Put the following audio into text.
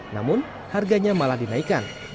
namun harganya malah dinaikan